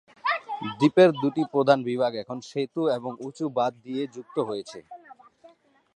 দ্বীপের দুটি প্রধান বিভাগ এখন সেতু এবং উঁচু বাঁধ দিয়ে যুক্ত হয়েছে।